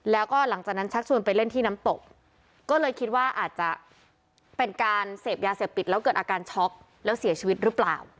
แล้วก็หลังจากนั้นชักชวนไปเล่นที่น้ำตกก็เลยคิดว่าอาจจะเป็นการเสพยาเสพติดแล้วเกิดอาการช็อกแล้วเสียชีวิตหรือเปล่า